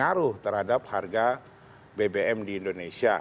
dan juga ada pengaruh terhadap harga bbm di indonesia